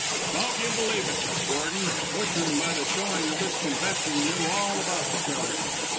"Don't you believe it, Miss Gordon. Busham, by the showing of this confession, knew all about the crime.